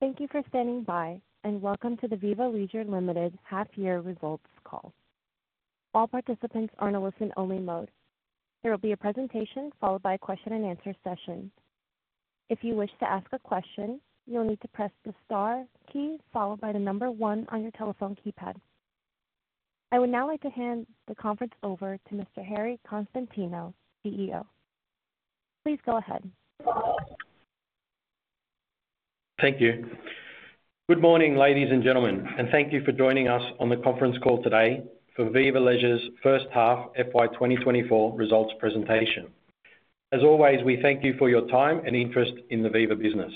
Thank you for standing by, and welcome to the Viva Leisure Limited half-year results call. All participants are in a listen-only mode. There will be a presentation followed by a question-and-answer session. If you wish to ask a question, you'll need to press the star key followed by the number one on your telephone keypad. I would now like to hand the conference over to Mr. Harry Konstantinou, CEO. Please go ahead. Thank you. Good morning, ladies and gentlemen, and thank you for joining us on the conference call today for Viva Leisure's first half FY 2024 results presentation. As always, we thank you for your time and interest in the Viva business.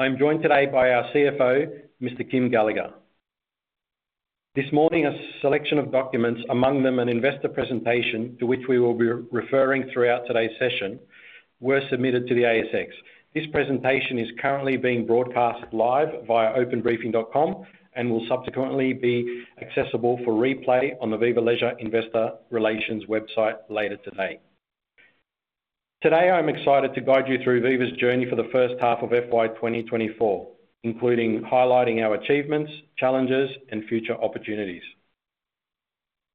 I'm joined today by our CFO, Mr. Kym Gallagher. This morning, a selection of documents, among them an investor presentation to which we will be referring throughout today's session, were submitted to the ASX. This presentation is currently being broadcast live via openbriefing.com and will subsequently be accessible for replay on the Viva Leisure investor relations website later today. Today, I'm excited to guide you through Viva's journey for the first half of FY 2024, including highlighting our achievements, challenges, and future opportunities.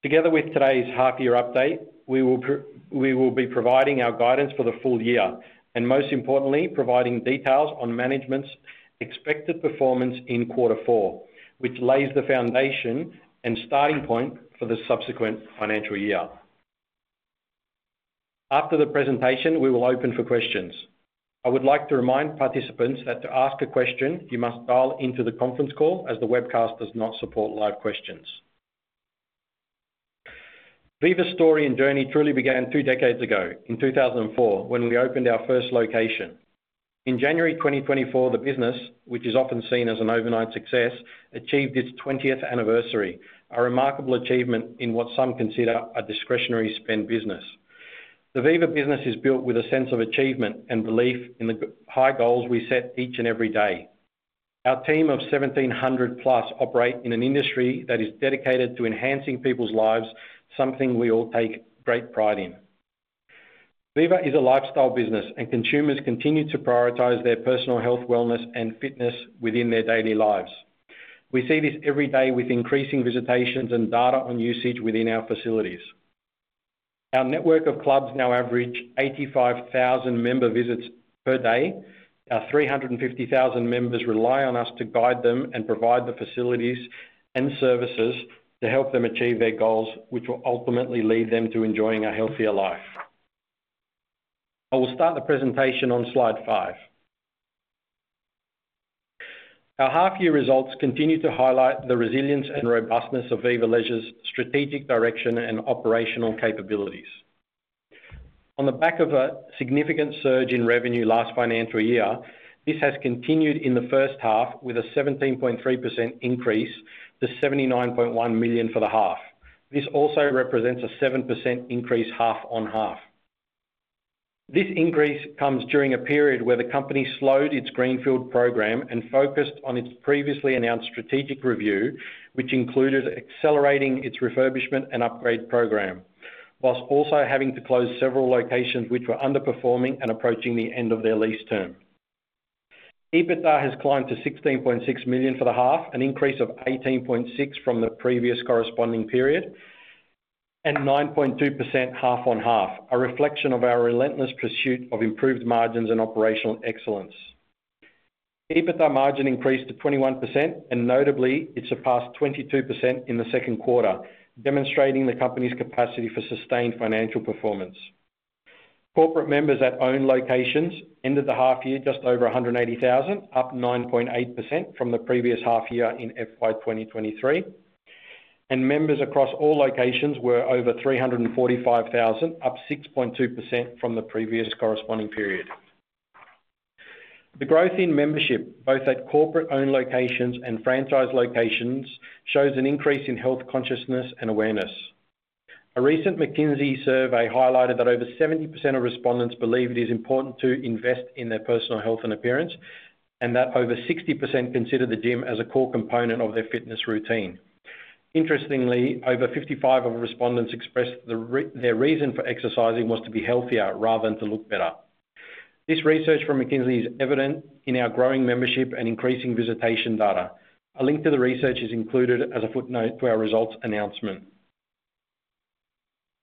Together with today's half-year update, we will be providing our guidance for the full year and, most importantly, providing details on management's expected performance in quarter four, which lays the foundation and starting point for the subsequent financial year. After the presentation, we will open for questions. I would like to remind participants that to ask a question, you must dial into the conference call as the webcast does not support live questions. Viva's story and journey truly began two decades ago, in 2004, when we opened our first location. In January 2024, the business, which is often seen as an overnight success, achieved its 20th anniversary, a remarkable achievement in what some consider a discretionary spend business. The Viva business is built with a sense of achievement and belief in the high goals we set each and every day. Our team of 1,700+ operate in an industry that is dedicated to enhancing people's lives, something we all take great pride in. Viva is a lifestyle business, and consumers continue to prioritize their personal health, wellness, and fitness within their daily lives. We see this every day with increasing visitations and data on usage within our facilities. Our network of clubs now average 85,000 member visits per day. Our 350,000 members rely on us to guide them and provide the facilities and services to help them achieve their goals, which will ultimately lead them to enjoying a healthier life. I will start the presentation on slide 5. Our half-year results continue to highlight the resilience and robustness of Viva Leisure's strategic direction and operational capabilities. On the back of a significant surge in revenue last financial year, this has continued in the first half with a 17.3% increase to 79.1 million for the half. This also represents a 7% increase half on half. This increase comes during a period where the company slowed its Greenfield program and focused on its previously announced strategic review, which included accelerating its refurbishment and upgrade program while also having to close several locations which were underperforming and approaching the end of their lease term. EBITDA has climbed to 16.6 million for the half, an increase of 18.6% from the previous corresponding period, and 9.2% half on half, a reflection of our relentless pursuit of improved margins and operational excellence. EBITDA margin increased to 21%, and notably, it surpassed 22% in the second quarter, demonstrating the company's capacity for sustained financial performance. Corporate members at own locations ended the half year just over 180,000, up 9.8% from the previous half year in FY 2023, and members across all locations were over 345,000, up 6.2% from the previous corresponding period. The growth in membership, both at corporate-owned locations and franchise locations, shows an increase in health consciousness and awareness. A recent McKinsey survey highlighted that over 70% of respondents believe it is important to invest in their personal health and appearance, and that over 60% consider the gym as a core component of their fitness routine. Interestingly, over 55% of respondents expressed their reason for exercising was to be healthier rather than to look better. This research from McKinsey is evident in our growing membership and increasing visitation data. A link to the research is included as a footnote to our results announcement.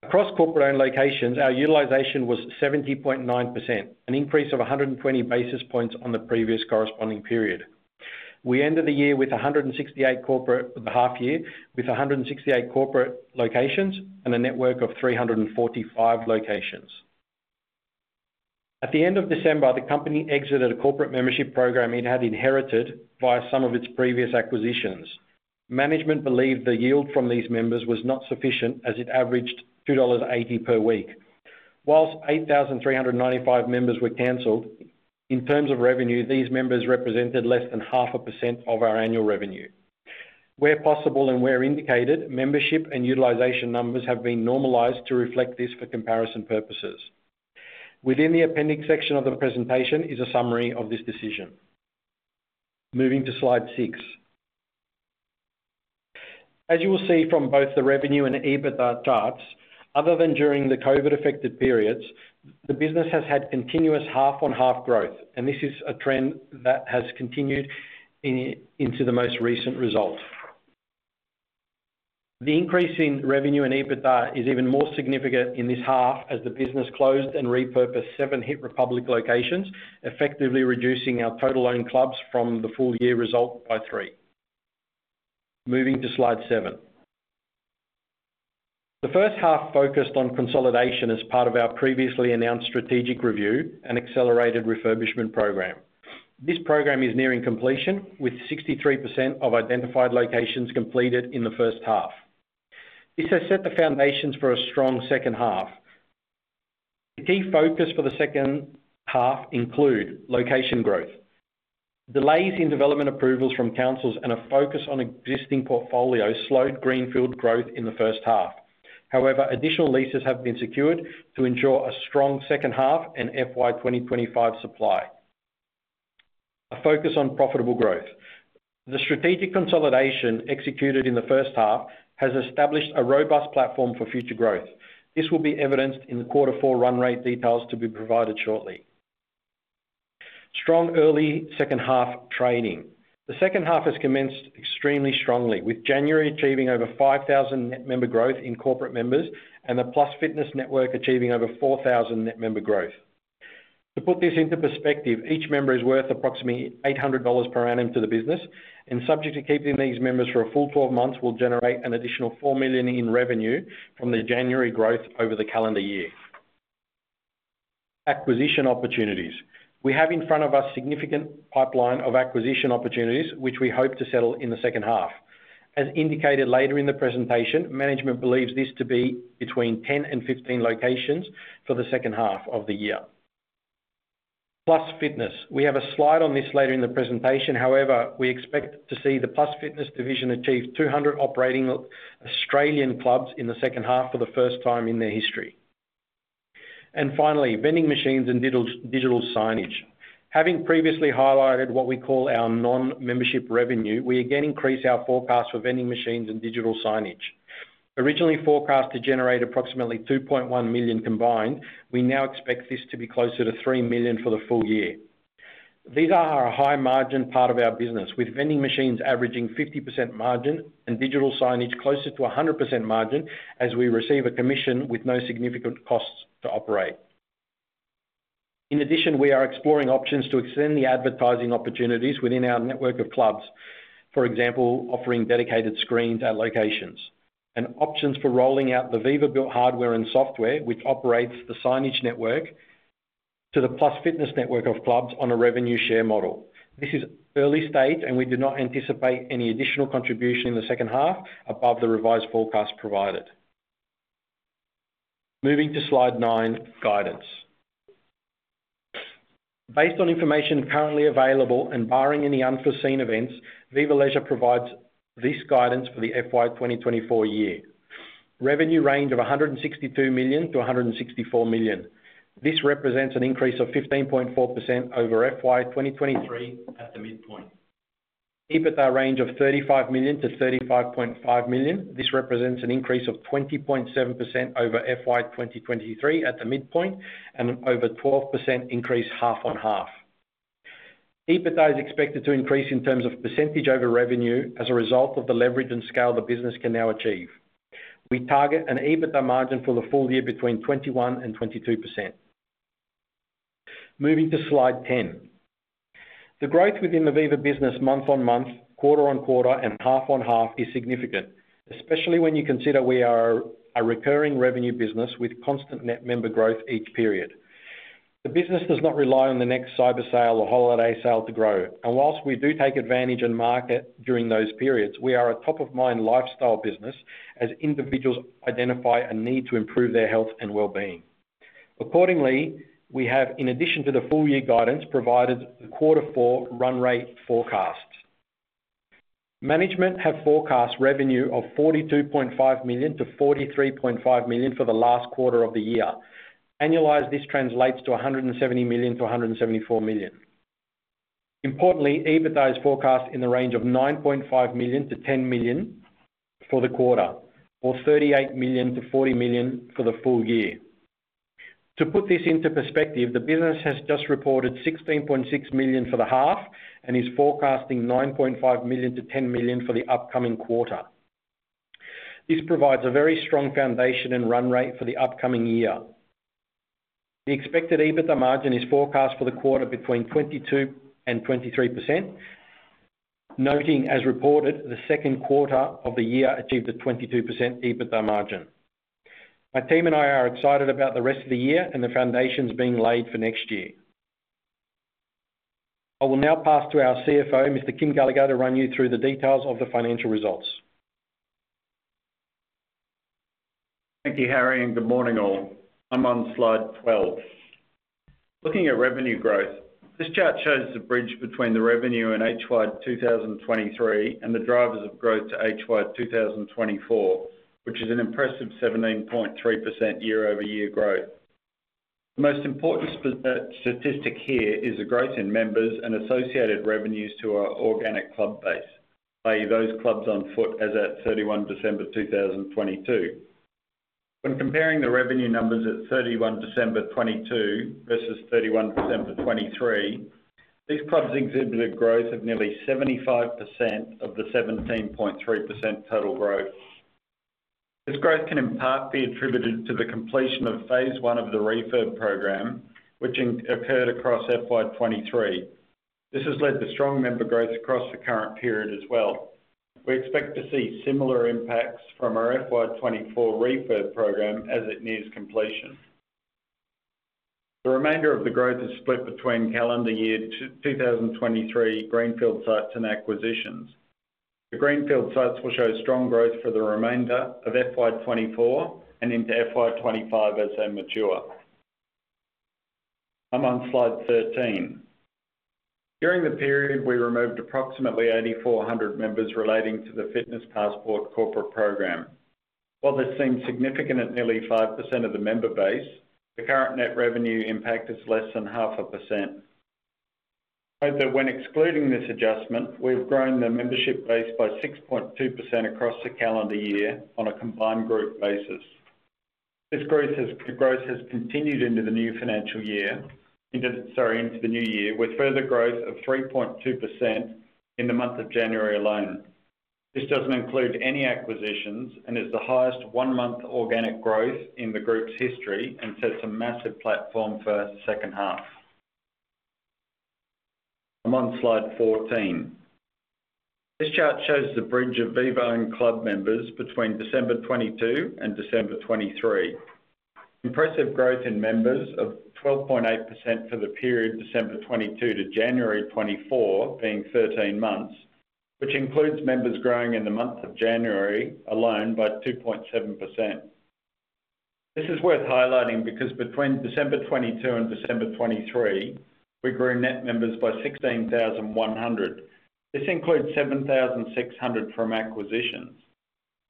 Across corporate-owned locations, our utilization was 70.9%, an increase of 120 basis points on the previous corresponding period. We ended the half year with 168 corporate locations and a network of 345 locations. At the end of December, the company exited a corporate membership program it had inherited via some of its previous acquisitions. Management believed the yield from these members was not sufficient as it averaged 2.80 dollars per week. While 8,395 members were cancelled, in terms of revenue, these members represented less than 0.5% of our annual revenue. Where possible and where indicated, membership and utilization numbers have been normalized to reflect this for comparison purposes. Within the appendix section of the presentation is a summary of this decision. Moving to Slide 6. As you will see from both the revenue and EBITDA charts, other than during the COVID-affected periods, the business has had continuous half-on-half growth, and this is a trend that has continued into the most recent result. The increase in revenue and EBITDA is even more significant in this half as the business closed and repurposed 7 hiit republic locations, effectively reducing our total-owned clubs from the full-year result by 3. Moving to slide 7. The first half focused on consolidation as part of our previously announced strategic review and accelerated refurbishment program. This program is nearing completion, with 63% of identified locations completed in the first half. This has set the foundations for a strong second half. The key focus for the second half includes location growth. Delays in development approvals from councils and a focus on existing portfolios slowed greenfield growth in the first half. However, additional leases have been secured to ensure a strong second half and FY 2025 supply. A focus on profitable growth. The strategic consolidation executed in the first half has established a robust platform for future growth. This will be evidenced in the quarter four run rate details to be provided shortly. Strong early second half trading. The second half has commenced extremely strongly, with January achieving over 5,000 net member growth in corporate members and the Plus Fitness Network achieving over 4,000 net member growth. To put this into perspective, each member is worth approximately 800 dollars per annum to the business, and subject to keeping these members for a full 12 months will generate an additional 4 million in revenue from the January growth over the calendar year. Acquisition opportunities. We have in front of us a significant pipeline of acquisition opportunities, which we hope to settle in the second half. As indicated later in the presentation, management believes this to be between 10 and 15 locations for the second half of the year. Plus Fitness. We have a slide on this later in the presentation. However, we expect to see the Plus Fitness division achieve 200 operating Australian clubs in the second half for the first time in their history. And finally, vending machines and digital signage. Having previously highlighted what we call our non-membership revenue, we again increase our forecast for vending machines and digital signage. Originally forecast to generate approximately 2.1 million combined, we now expect this to be closer to 3 million for the full year. These are a high-margin part of our business, with vending machines averaging 50% margin and digital signage closer to 100% margin as we receive a commission with no significant costs to operate. In addition, we are exploring options to extend the advertising opportunities within our network of clubs, for example, offering dedicated screens at locations and options for rolling out the Viva-built hardware and software, which operates the signage network, to the Plus Fitness network of clubs on a revenue share model. This is early stage, and we do not anticipate any additional contribution in the second half above the revised forecast provided. Moving to slide 9, guidance. Based on information currently available and barring any unforeseen events, Viva Leisure provides this guidance for the FY 2024 year. Revenue range of 162 million-164 million. This represents an increase of 15.4% over FY 2023 at the midpoint. EBITDA range of 35 million-35.5 million. This represents an increase of 20.7% over FY 2023 at the midpoint and an over 12% increase half-on-half. EBITDA is expected to increase in terms of percentage over revenue as a result of the leverage and scale the business can now achieve. We target an EBITDA margin for the full year between 21%-22%. Moving to slide 10. The growth within the Viva business month-on-month, quarter-on-quarter, and half-on-half is significant, especially when you consider we are a recurring revenue business with constant net member growth each period. The business does not rely on the next cyber sale or holiday sale to grow. And whilst we do take advantage and market during those periods, we are a top-of-mind lifestyle business as individuals identify a need to improve their health and well-being. Accordingly, we have, in addition to the full-year guidance, provided the quarter four run rate forecasts. Management have forecast revenue of 42.5 million-43.5 million for the last quarter of the year. Annualized, this translates to 170 million-174 million. Importantly, EBITDA is forecast in the range of 9.5 million-10 million for the quarter or 38 million-40 million for the full year. To put this into perspective, the business has just reported 16.6 million for the half and is forecasting 9.5 million-10 million for the upcoming quarter. This provides a very strong foundation and run rate for the upcoming year. The expected EBITDA margin is forecast for the quarter between 22%-23%, noting, as reported, the second quarter of the year achieved a 22% EBITDA margin. My team and I are excited about the rest of the year and the foundations being laid for next year. I will now pass to our CFO, Mr. Kym Gallagher, to run you through the details of the financial results. Thank you, Harry, and good morning, all. I'm on slide 12. Looking at revenue growth, this chart shows the bridge between the revenue in HY 2023 and the drivers of growth to HY 2024, which is an impressive 17.3% year-over-year growth. The most important statistic here is the growth in members and associated revenues to our organic club base, i.e., those clubs on foot as at 31 December 2022. When comparing the revenue numbers at 31 December 2022 versus 31 December 2023, these clubs exhibited growth of nearly 75% of the 17.3% total growth. This growth can in part be attributed to the completion of phase one of the refurb program, which occurred across FY 2023. This has led to strong member growth across the current period as well. We expect to see similar impacts from our FY 2024 refurb program as it nears completion. The remainder of the growth is split between calendar year 2023 Greenfield sites and acquisitions. The Greenfield sites will show strong growth for the remainder of FY 2024 and into FY 2025 as they mature. I'm on slide 13. During the period, we removed approximately 8,400 members relating to the Fitness Passport corporate program. While this seems significant at nearly 5% of the member base, the current net revenue impact is less than 0.5%. Note that when excluding this adjustment, we've grown the membership base by 6.2% across the calendar year on a combined group basis. This growth has continued into the new financial year sorry, into the new year with further growth of 3.2% in the month of January alone. This doesn't include any acquisitions and is the highest one-month organic growth in the group's history and sets a massive platform for second half. I'm on slide 14. This chart shows the bridge of Viva-owned club members between December 2022 and December 2023. Impressive growth in members of 12.8% for the period December 2022 to January 2024, being 13 months, which includes members growing in the month of January alone by 2.7%. This is worth highlighting because between December 2022 and December 2023, we grew net members by 16,100. This includes 7,600 from acquisitions.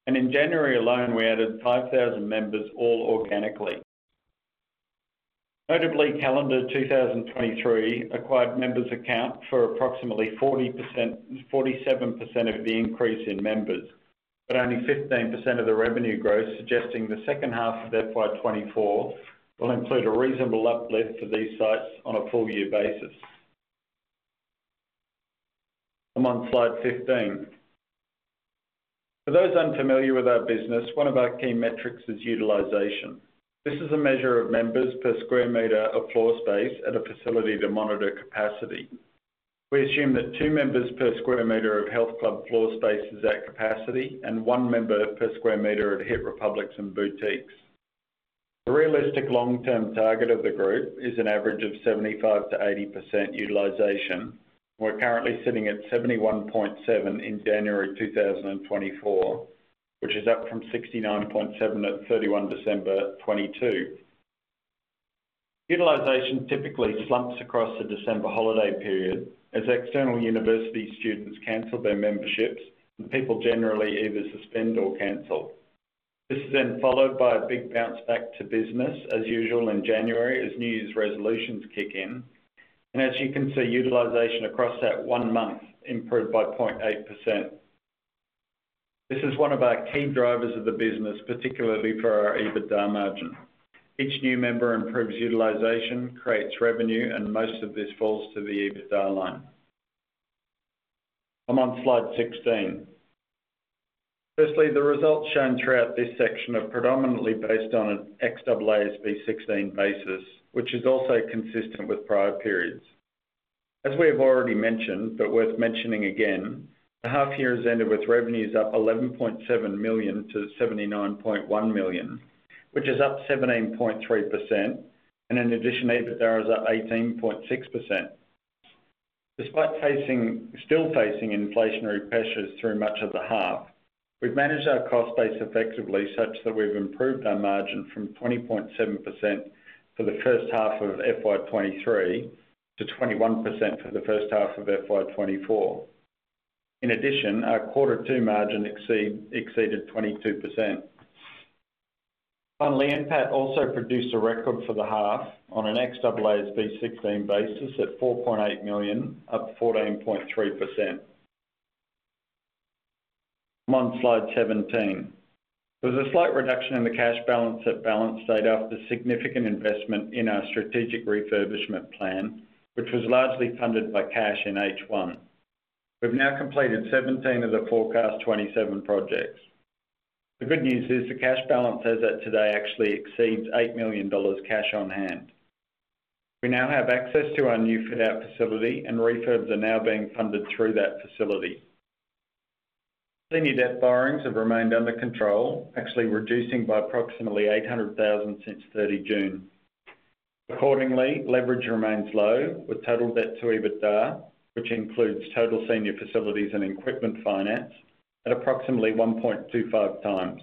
In January alone, we added 5,000 members all organically. Notably, calendar 2023 acquired members account for approximately 40% 47% of the increase in members, but only 15% of the revenue growth, suggesting the second half of FY 2024 will include a reasonable uplift for these sites on a full-year basis. I'm on slide 15. For those unfamiliar with our business, one of our key metrics is utilization. This is a measure of members per square meter of floor space at a facility to monitor capacity. We assume that two members per square meter of health club floor space is at capacity and one member per square meter at hiit republics and boutiques. The realistic long-term target of the group is an average of 75%-80% utilization. We're currently sitting at 71.7 in January 2024, which is up from 69.7 at 31 December 2022. Utilization typically slumps across the December holiday period as external university students cancel their memberships, and people generally either suspend or cancel. This is then followed by a big bounce back to business as usual in January as New Year's resolutions kick in. And as you can see, utilization across that one month improved by 0.8%. This is one of our key drivers of the business, particularly for our EBITDA margin. Each new member improves utilization, creates revenue, and most of this falls to the EBITDA line. I'm on slide 16. Firstly, the results shown throughout this section are predominantly based on an ex-AASB 16 basis, which is also consistent with prior periods. As we have already mentioned but worth mentioning again, the half year has ended with revenues up 11.7 million to 79.1 million, which is up 17.3%. And in addition, EBITDA is up 18.6%. Despite still facing inflationary pressures through much of the half, we've managed our cost base effectively such that we've improved our margin from 20.7% for the first half of FY 2023 to 21% for the first half of FY 2024. In addition, our quarter two margin exceeded 22%. Finally, NPAT also produced a record for the half on an AASB 16 basis at 4.8 million, up 14.3%. I'm on slide 17. There was a slight reduction in the cash balance at balance date after significant investment in our strategic refurbishment plan, which was largely funded by cash in H1. We've now completed 17 of the forecast 27 projects. The good news is the cash balance as at today actually exceeds 8 million dollars cash on hand. We now have access to our new fit-out facility, and refurbs are now being funded through that facility. Senior debt borrowings have remained under control, actually reducing by approximately 800,000 since 30 June. Accordingly, leverage remains low with total debt to EBITDA, which includes total senior facilities and equipment finance, at approximately 1.25x.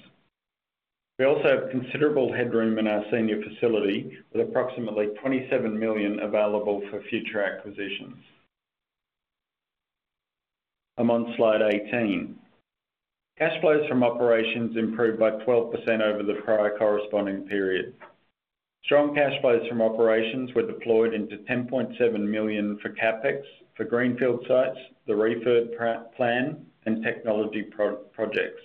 We also have considerable headroom in our senior facility with approximately 27 million available for future acquisitions. I'm on slide 18. Cash flows from operations improved by 12% over the prior corresponding period. Strong cash flows from operations were deployed into 10.7 million for CapEx for Greenfield sites, the refurb plan, and technology projects.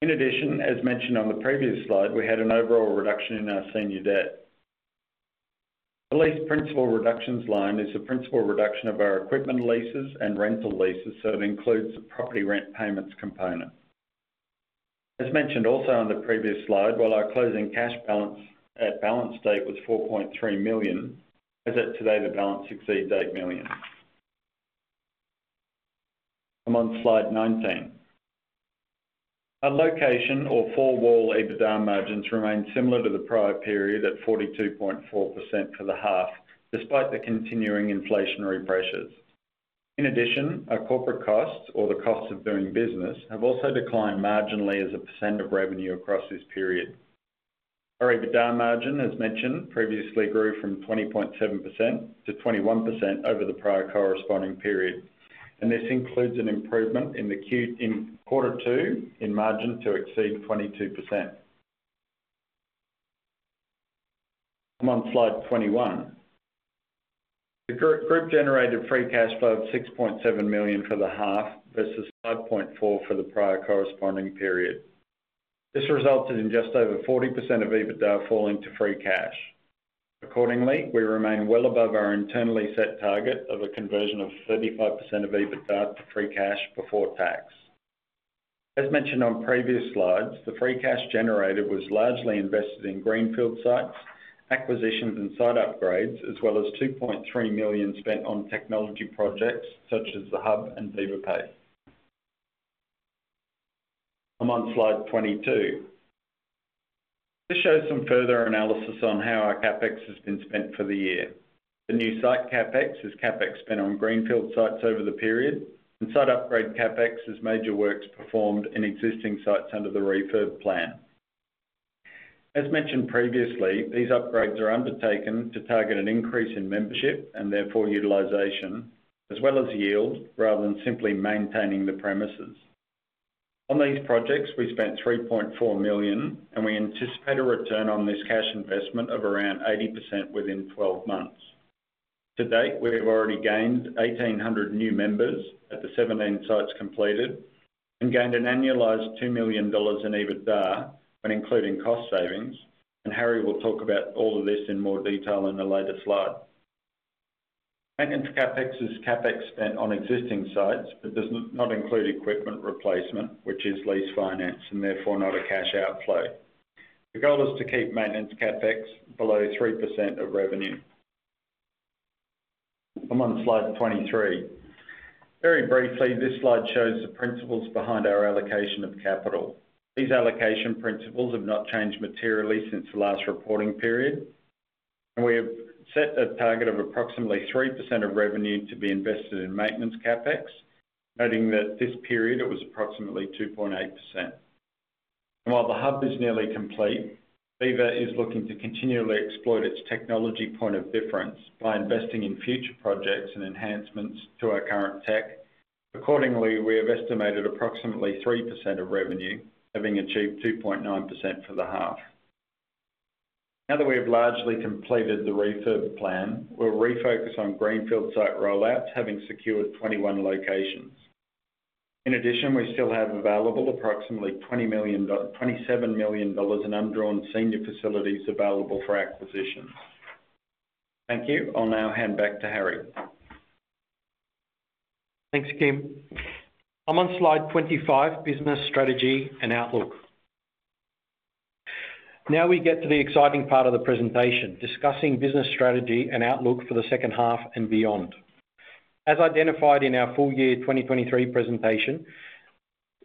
In addition, as mentioned on the previous slide, we had an overall reduction in our senior debt. The lease principal reductions line is the principal reduction of our equipment leases and rental leases, so it includes the property rent payments component. As mentioned also on the previous slide, while our closing cash balance at balance date was 4.3 million, as at today, the balance exceeds 8 million. I'm on slide 19. Our location or Four-Wall EBITDA margins remain similar to the prior period at 42.4% for the half despite the continuing inflationary pressures. In addition, our corporate costs or the costs of doing business have also declined marginally as a percent of revenue across this period. Our EBITDA margin, as mentioned previously, grew from 20.7% to 21% over the prior corresponding period. And this includes an improvement in quarter two in margin to exceed 22%. I'm on slide 21. The group generated free cash flow of 6.7 million for the half versus 5.4 million for the prior corresponding period. This resulted in just over 40% of EBITDA falling to free cash. Accordingly, we remain well above our internally set target of a conversion of 35% of EBITDA to free cash before tax. As mentioned on previous slides, the free cash generated was largely invested in Greenfield sites, acquisitions, and site upgrades, as well as 2.3 million spent on technology projects such as The Hub and Viva Pay. I'm on slide 22. This shows some further analysis on how our CapEx has been spent for the year. The new site CapEx is CapEx spent on Greenfield sites over the period, and site upgrade CapEx is major works performed in existing sites under the refurb plan. As mentioned previously, these upgrades are undertaken to target an increase in membership and therefore utilization, as well as yield rather than simply maintaining the premises. On these projects, we spent 3.4 million, and we anticipate a return on this cash investment of around 80% within 12 months. To date, we have already gained 1,800 new members at the 17 sites completed and gained an annualized 2 million dollars in EBITDA when including cost savings. And Harry will talk about all of this in more detail in the later slide. Maintenance CapEx is CapEx spent on existing sites but does not include equipment replacement, which is lease finance and therefore not a cash outflow. The goal is to keep maintenance CapEx below 3% of revenue. I'm on slide 23. Very briefly, this slide shows the principles behind our allocation of capital. These allocation principles have not changed materially since the last reporting period. And we have set a target of approximately 3% of revenue to be invested in maintenance CapEx, noting that this period, it was approximately 2.8%. And while The Hub is nearly complete, Viva is looking to continually exploit its technology point of difference by investing in future projects and enhancements to our current tech. Accordingly, we have estimated approximately 3% of revenue, having achieved 2.9% for the half. Now that we have largely completed the refurb plan, we'll refocus on Greenfield site rollouts, having secured 21 locations. In addition, we still have available approximately 27 million dollars in undrawn senior facilities available for acquisitions. Thank you. I'll now hand back to Harry. Thanks, Kym. I'm on slide 25, business strategy and outlook. Now we get to the exciting part of the presentation, discussing business strategy and outlook for the second half and beyond. As identified in our full year 2023 presentation,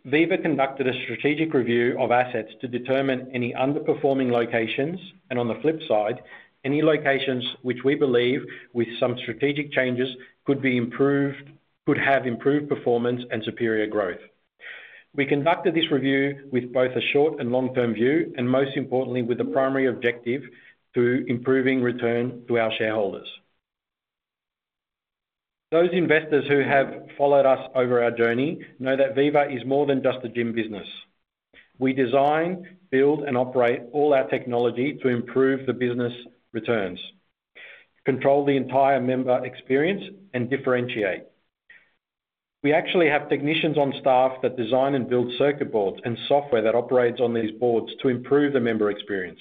Viva conducted a strategic review of assets to determine any underperforming locations and, on the flip side, any locations which we believe, with some strategic changes, could have improved performance and superior growth. We conducted this review with both a short and long-term view and, most importantly, with the primary objective of improving return to our shareholders. Those investors who have followed us over our journey know that Viva is more than just a gym business. We design, build, and operate all our technology to improve the business returns, control the entire member experience, and differentiate. We actually have technicians on staff that design and build circuit boards and software that operates on these boards to improve the member experience,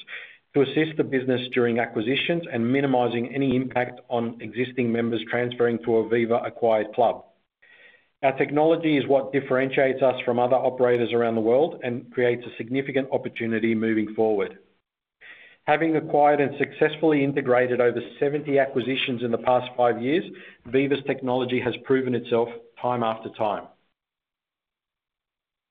to assist the business during acquisitions and minimizing any impact on existing members transferring to a Viva-acquired club. Our technology is what differentiates us from other operators around the world and creates a significant opportunity moving forward. Having acquired and successfully integrated over 70 acquisitions in the past five years, Viva's technology has proven itself time after time.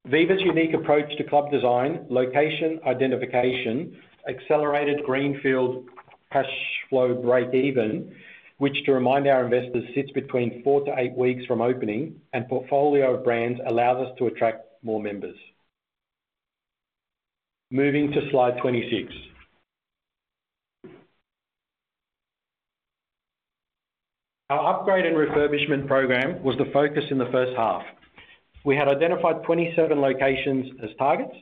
Viva's unique approach to club design, location identification, accelerated Greenfield cash flow break-even, which, to remind our investors, sits between four-to-eight weeks from opening, and portfolio of brands allows us to attract more members. Moving to slide 26. Our upgrade and refurbishment program was the focus in the first half. We had identified 27 locations as targets.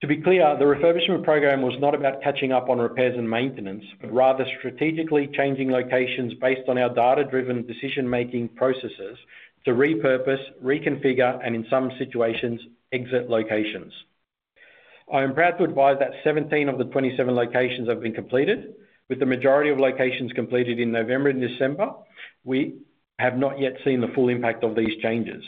To be clear, the refurbishment program was not about catching up on repairs and maintenance but rather strategically changing locations based on our data-driven decision-making processes to repurpose, reconfigure, and, in some situations, exit locations. I am proud to advise that 17 of the 27 locations have been completed. With the majority of locations completed in November and December, we have not yet seen the full impact of these changes.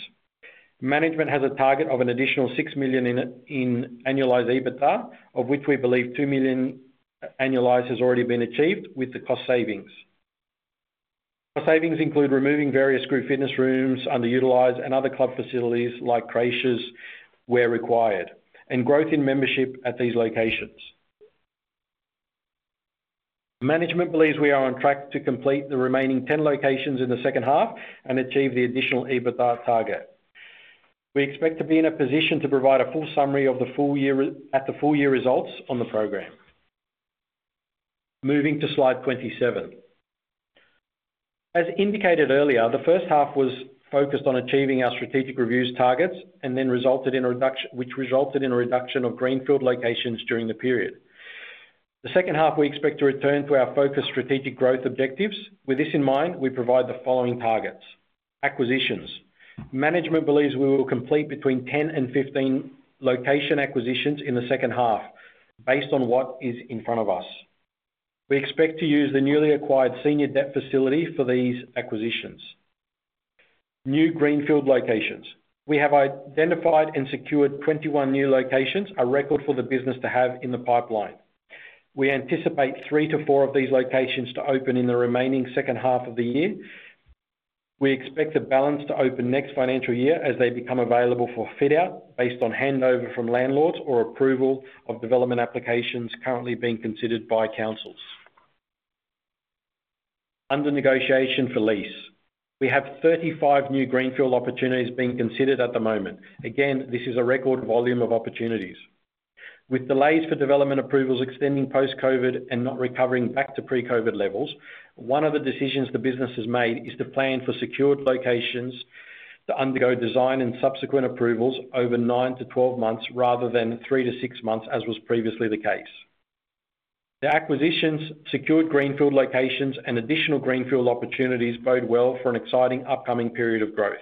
Management has a target of an additional 6 million in annualized EBITDA, of which we believe 2 million annualized has already been achieved with the cost savings. Cost savings include removing various group fitness rooms underutilized and other club facilities like creches where required and growth in membership at these locations. Management believes we are on track to complete the remaining 10 locations in the second half and achieve the additional EBITDA target. We expect to be in a position to provide a full summary at the full-year results on the program. Moving to slide 27. As indicated earlier, the first half was focused on achieving our strategic review's targets and then resulted in a reduction of Greenfield locations during the period. The second half, we expect to return to our focused strategic growth objectives. With this in mind, we provide the following targets: acquisitions. Management believes we will complete between 10 and 15 location acquisitions in the second half based on what is in front of us. We expect to use the newly acquired senior debt facility for these acquisitions. New Greenfield locations. We have identified and secured 21 new locations, a record for the business to have in the pipeline. We anticipate 3-4 of these locations to open in the remaining second half of the year. We expect the balance to open next financial year as they become available for fit-out based on handover from landlords or approval of development applications currently being considered by councils. Under negotiation for lease. We have 35 new Greenfield opportunities being considered at the moment. Again, this is a record volume of opportunities. With delays for development approvals extending post-COVID and not recovering back to pre-COVID levels, one of the decisions the business has made is to plan for secured locations to undergo design and subsequent approvals over 9-12 months rather than 3-6 months as was previously the case. The acquisitions, secured Greenfield locations, and additional Greenfield opportunities bode well for an exciting upcoming period of growth.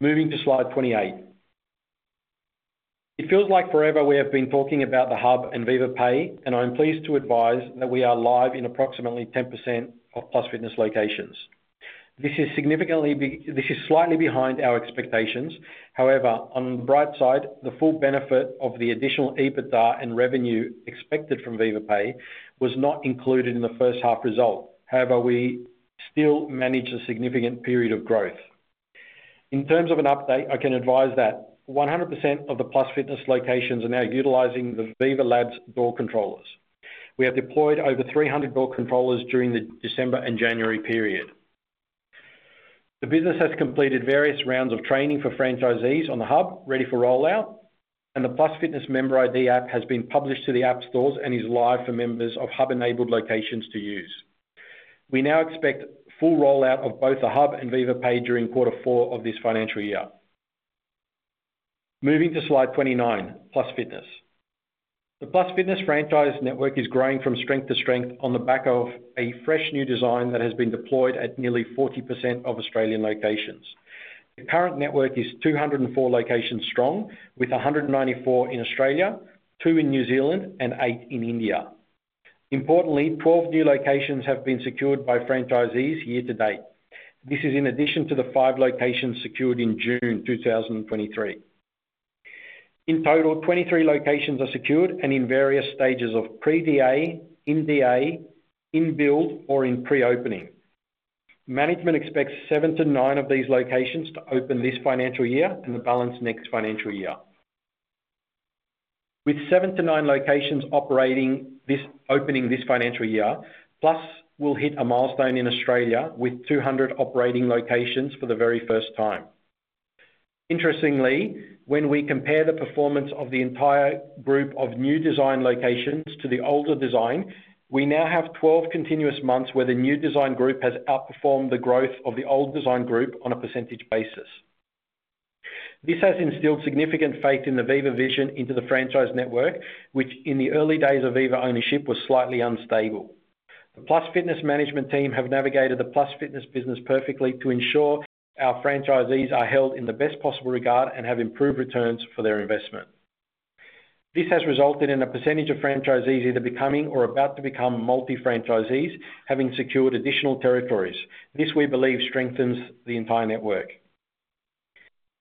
Moving to slide 28. It feels like forever we have been talking about The Hub and Viva Pay, and I am pleased to advise that we are live in approximately 10% of Plus Fitness locations. This is slightly behind our expectations. However, on the bright side, the full benefit of the additional EBITDA and revenue expected from Viva Pay was not included in the first half result. However, we still manage a significant period of growth. In terms of an update, I can advise that 100% of the Plus Fitness locations are now utilizing the Viva Labs door controllers. We have deployed over 300 door controllers during the December and January period. The business has completed various rounds of training for franchisees on The Hub ready for rollout, and the Plus Fitness Member ID App has been published to the app stores and is live for members of Hub-enabled locations to use. We now expect full rollout of both The Hub and Viva Pay during quarter four of this financial year. Moving to slide 29, Plus Fitness. The Plus Fitness franchise network is growing from strength to strength on the back of a fresh new design that has been deployed at nearly 40% of Australian locations. The current network is 204 locations strong with 194 in Australia, two in New Zealand, and eight in India. Importantly, 12 new locations have been secured by franchisees year to date. This is in addition to the five locations secured in June 2023. In total, 23 locations are secured and in various stages of pre-DA, in-DA, in-build, or in pre-opening. Management expects seven to nine of these locations to open this financial year and the balance next financial year. With seven to nine locations opening this financial year, Plus will hit a milestone in Australia with 200 operating locations for the very first time. Interestingly, when we compare the performance of the entire group of new design locations to the older design, we now have 12 continuous months where the new design group has outperformed the growth of the old design group on a percentage basis. This has instilled significant faith in the Viva vision into the franchise network, which in the early days of Viva ownership was slightly unstable. The Plus Fitness management team have navigated the Plus Fitness business perfectly to ensure our franchisees are held in the best possible regard and have improved returns for their investment. This has resulted in a percentage of franchisees either becoming or about to become multi-franchisees, having secured additional territories. This, we believe, strengthens the entire network.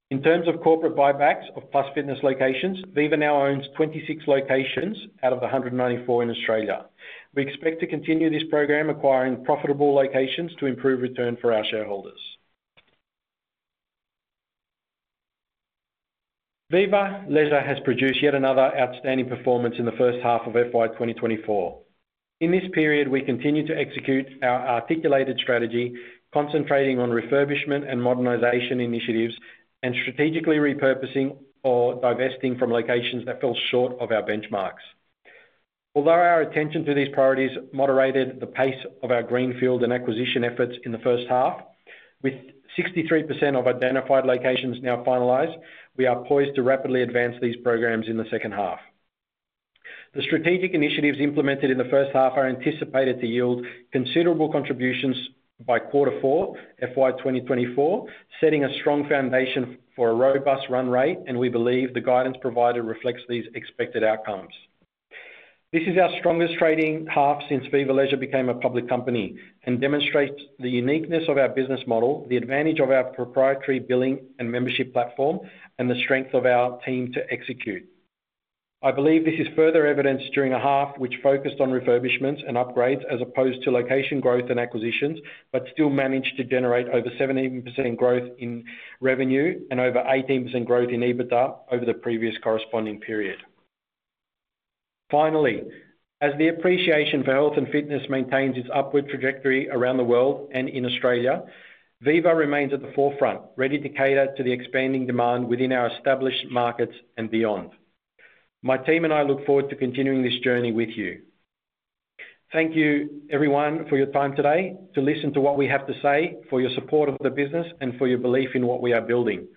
In terms of corporate buybacks of Plus Fitness locations, Viva now owns 26 locations out of the 194 in Australia. We expect to continue this program acquiring profitable locations to improve return for our shareholders. Viva Leisure has produced yet another outstanding performance in the first half of FY 2024. In this period, we continue to execute our articulated strategy concentrating on refurbishment and modernization initiatives and strategically repurposing or divesting from locations that fell short of our benchmarks. Although our attention to these priorities moderated the pace of our Greenfield and acquisition efforts in the first half, with 63% of identified locations now finalized, we are poised to rapidly advance these programs in the second half. The strategic initiatives implemented in the first half are anticipated to yield considerable contributions by quarter four FY 2024, setting a strong foundation for a robust run rate, and we believe the guidance provided reflects these expected outcomes. This is our strongest trading half since Viva Leisure became a public company and demonstrates the uniqueness of our business model, the advantage of our proprietary billing and membership platform, and the strength of our team to execute. I believe this is further evidenced during a half which focused on refurbishments and upgrades as opposed to location growth and acquisitions but still managed to generate over 17% growth in revenue and over 18% growth in EBITDA over the previous corresponding period. Finally, as the appreciation for health and fitness maintains its upward trajectory around the world and in Australia, Viva remains at the forefront, ready to cater to the expanding demand within our established markets and beyond. My team and I look forward to continuing this journey with you. Thank you, everyone, for your time today to listen to what we have to say, for your support of the business, and for your belief in what we are building.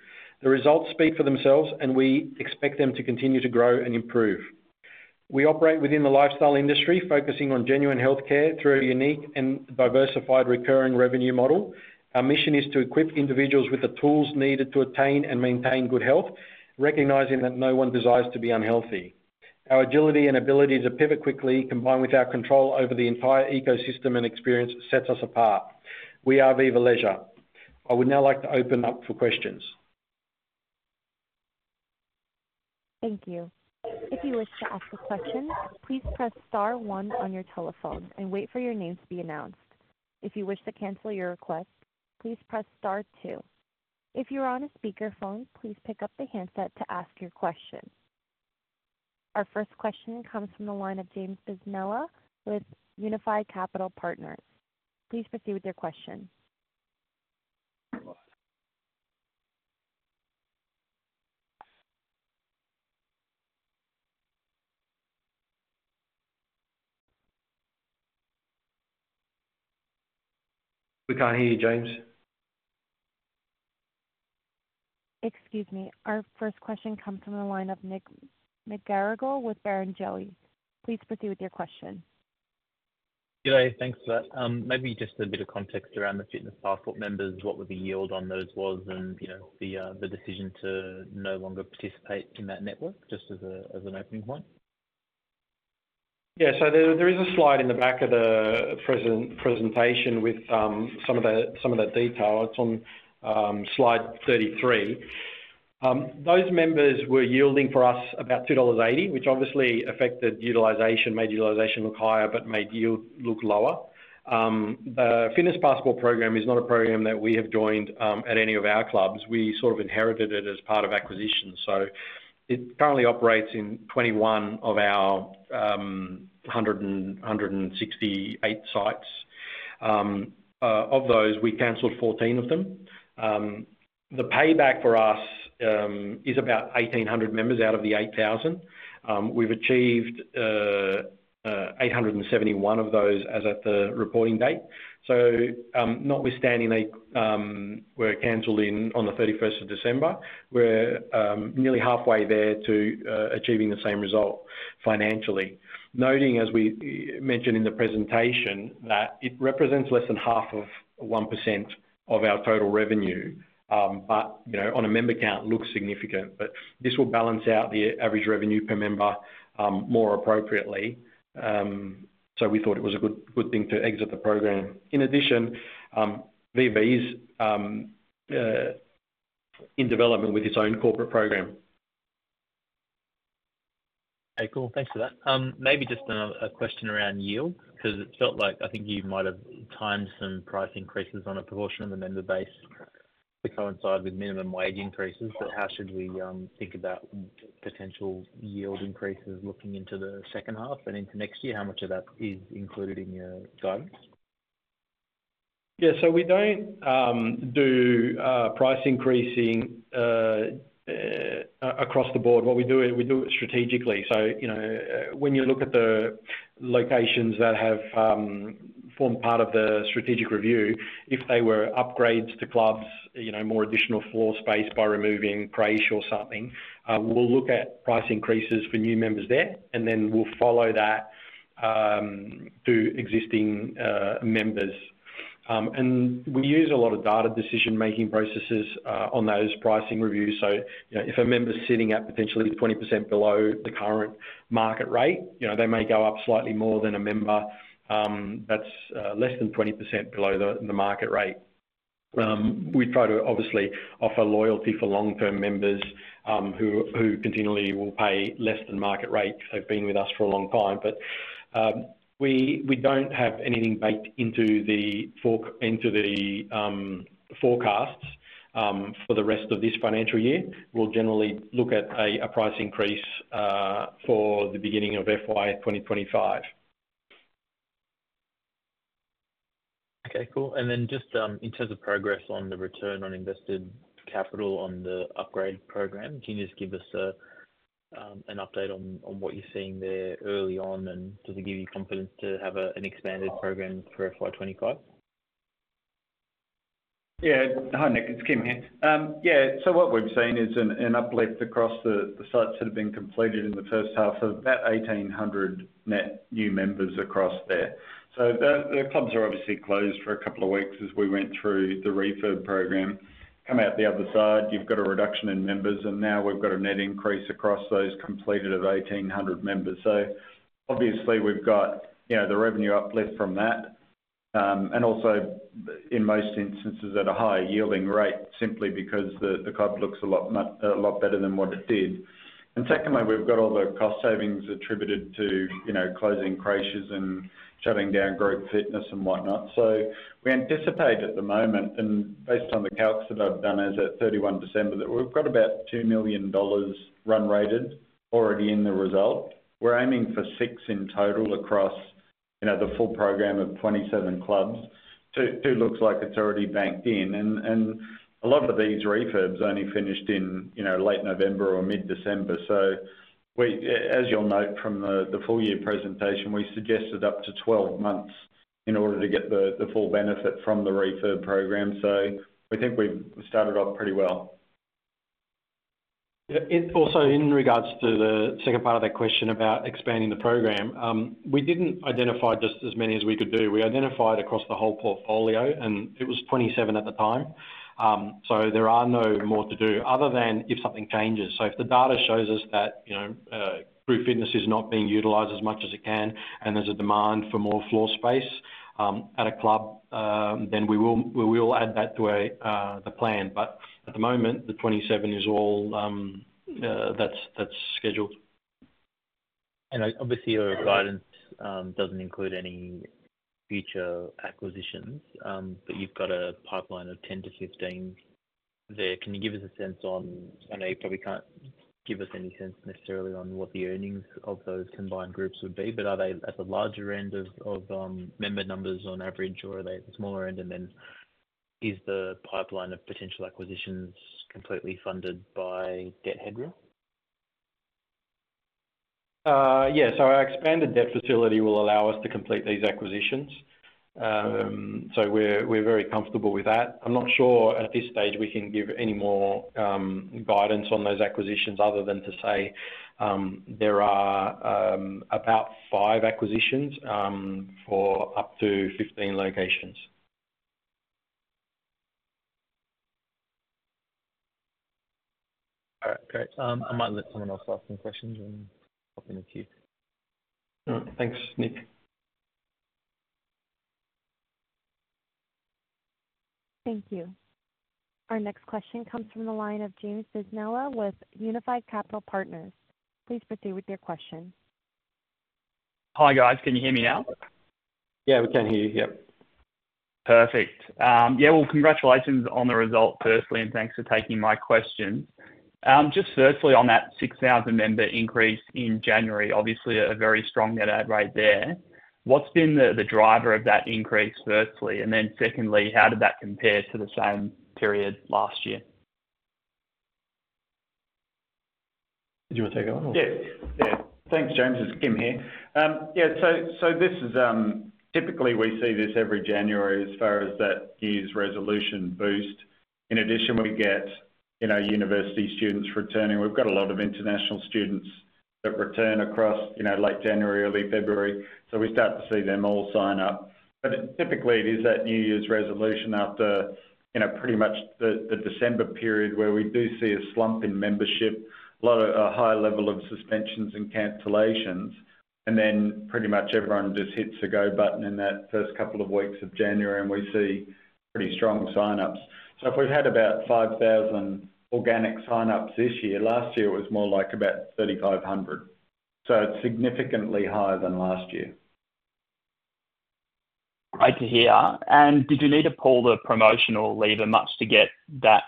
The results speak for themselves, and we expect them to continue to grow and improve. We operate within the lifestyle industry, focusing on genuine healthcare through a unique and diversified recurring revenue model. Our mission is to equip individuals with the tools needed to attain and maintain good health, recognizing that no one desires to be unhealthy. Our agility and ability to pivot quickly, combined with our control over the entire ecosystem and experience, sets us apart. We are Viva Leisure. I would now like to open up for questions. Thank you. If you wish to ask a question, please press star one on your telephone and wait for your name to be announced. If you wish to cancel your request, please press star two. If you are on a speakerphone, please pick up the handset to ask your question. Our first question comes from the line of James Bisinella with Unified Capital Partners. Please proceed with your question. We can't hear you, James. Excuse me. Our first question comes from the line of Nick McGarrigle with Barrenjoey. Please proceed with your question. G'day. Thanks for that. Maybe just a bit of context around the Fitness Passport members, what the yield on those was, and the decision to no longer participate in that network just as an opening point. Yeah. So there is a slide in the back of the presentation with some of that detail. It's on slide 33. Those members were yielding for us about 2.80 dollars, which obviously affected utilization, made utilization look higher but made yield look lower. The Fitness Passport program is not a program that we have joined at any of our clubs. We sort of inherited it as part of acquisitions. So it currently operates in 21 of our 168 sites. Of those, we canceled 14 of them. The payback for us is about 1,800 members out of the 8,000. We've achieved 871 of those as at the reporting date. So notwithstanding we're cancelled on the 31st of December, we're nearly halfway there to achieving the same result financially, noting, as we mentioned in the presentation, that it represents less than 0.5% of our total revenue but on a member count looks significant. But this will balance out the average revenue per member more appropriately. So we thought it was a good thing to exit the program. In addition, Viva is in development with its own corporate program. Okay. Cool. Thanks for that. Maybe just a question around yield because it felt like I think you might have timed some price increases on a proportion of the member base to coincide with minimum wage increases. But how should we think about potential yield increases looking into the second half and into next year? How much of that is included in your guidance? Yeah. We don't do price increasing across the board. What we do is we do it strategically. When you look at the locations that have formed part of the strategic review, if they were upgrades to clubs, more additional floor space by removing crete or something, we'll look at price increases for new members there, and then we'll follow that to existing members. And we use a lot of data decision-making processes on those pricing reviews. If a member's sitting at potentially 20% below the current market rate, they may go up slightly more than a member that's less than 20% below the market rate. We try to, obviously, offer loyalty for long-term members who continually will pay less than market rate if they've been with us for a long time. But we don't have anything baked into the forecasts for the rest of this financial year. We'll generally look at a price increase for the beginning of FY 2025. Okay. Cool. And then just in terms of progress on the return on invested capital on the upgrade program, can you just give us an update on what you're seeing there early on? And does it give you confidence to have an expanded program for FY 2025? Yeah. Hi, Nick. It's Kym here. Yeah. So what we've seen is an uplift across the sites that have been completed in the first half of about 1,800 net new members across there. So the clubs are obviously closed for a couple of weeks as we went through the refurb program. Come out the other side, you've got a reduction in members, and now we've got a net increase across those completed of 1,800 members. So obviously, we've got the revenue uplift from that and also, in most instances, at a higher yielding rate simply because the club looks a lot better than what it did. And secondly, we've got all the cost savings attributed to closing the clubs and shutting down group fitness and whatnot. So we anticipate at the moment and based on the calcs that I've done as of 31 December that we've got about 2 million dollars run rated already in the result. We're aiming for 6 million in total across the full program of 27 clubs, too. It looks like it's already banked in. And a lot of these refurbs only finished in late November or mid-December. So as you'll note from the full-year presentation, we suggested up to 12 months in order to get the full benefit from the refurb program. So we think we've started off pretty well. Yeah. Also, in regards to the second part of that question about expanding the program, we didn't identify just as many as we could do. We identified across the whole portfolio, and it was 27 at the time. So there are no more to do other than if something changes. So if the data shows us that group fitness is not being utilized as much as it can and there's a demand for more floor space at a club, then we will add that to the plan. But at the moment, the 27 is all that's scheduled. And obviously, your guidance doesn't include any future acquisitions, but you've got a pipeline of 10-15 there. Can you give us a sense on and you probably can't give us any sense necessarily on what the earnings of those combined groups would be, but are they at the larger end of member numbers on average, or are they at the smaller end? And then is the pipeline of potential acquisitions completely funded by debt headroom? Yeah. So our expanded debt facility will allow us to complete these acquisitions. So we're very comfortable with that. I'm not sure at this stage we can give any more guidance on those acquisitions other than to say there are about 5 acquisitions for up to 15 locations. All right. Great. I might let someone else ask some questions and hop in with you. All right. Thanks, Nick. Thank you. Our next question comes from the line of James Bisinella with Unified Capital Partners. Please proceed with your question. Hi, guys. Can you hear me now? Yeah. We can hear you. Yep. Perfect. Yeah. Well, congratulations on the result, firstly, and thanks for taking my questions. Just firstly, on that 6,000 member increase in January, obviously, a very strong net add rate there. What's been the driver of that increase, firstly? And then secondly, how did that compare to the same period last year? Did you want to take that one, or? Yeah. Yeah. Thanks, James. It's Kym here. Yeah. So typically, we see this every January as far as that New Year's resolution boost. In addition, we get university students returning. We've got a lot of international students that return across late January, early February. So we start to see them all sign up. But typically, it is that New Year's resolution after pretty much the December period where we do see a slump in membership, a high level of suspensions and cancellations, and then pretty much everyone just hits the go button in that first couple of weeks of January, and we see pretty strong sign-ups. So if we've had about 5,000 organic sign-ups this year, last year it was more like about 3,500. So it's significantly higher than last year. Great to hear. And did you need to pull the promotion or leave it much to get that